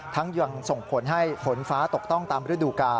ยังส่งผลให้ฝนฟ้าตกต้องตามฤดูกาล